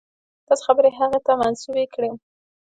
داسې خبرې هغه ته منسوبې کړم.